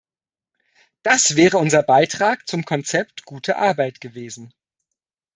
Das wäre unser Beitrag zum Konzept "Gute Arbeit" gewesen.